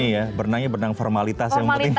ini ya berenangnya berenang formalitas